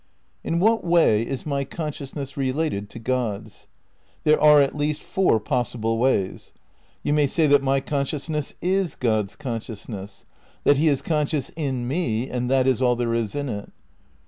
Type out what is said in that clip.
In what way is my consciousness related to God's? There are at least four possible ways. You may say that my consciousness is God's consciousness, that he is conscious in me, and that is all there is ui it.